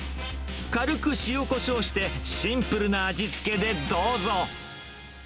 軽く塩こしょうしてシンプルな味付けでどうぞ。